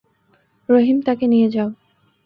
রহিম, তাকে নিয়ে যাও।